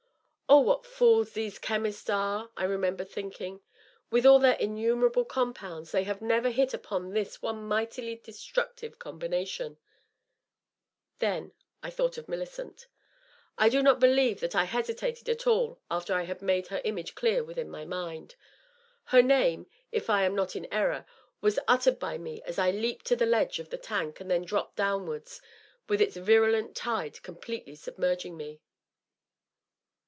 ' Oh, what fools these chemists are !' I remember thinking. ^ With all their innumerable compounds, they have never hit upon this one mightily destructive combination !' Then I thought of Millicent. I do not believe that I hesitated at all after I had made her image clear within my mind. Her name, if I am not in error, was uttered by me as I leaped on the ledge of the tank and then dropped downward, with its virulent tide completely submerging me.